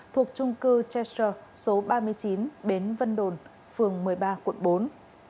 thuộc trung cư tractor số ba mươi chín bến vân đồn phường một mươi ba quận bốn